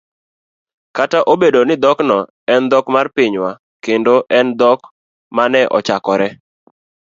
kata obedo ni dhokno en dhok mar pinywa kendo en dhok ma ne ochakore